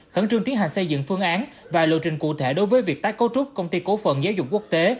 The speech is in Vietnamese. khẩn trương tiến hành xây dựng phương án và lộ trình cụ thể đối với việc tái cấu trúc công ty cố phận giáo dục quốc tế